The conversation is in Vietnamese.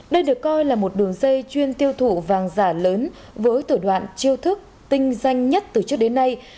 đây được coi là một đường dây chuyên tiêu thụ vàng giả lớn với thủ đoạn chiêu thức tinh danh nhất từ trước đến nay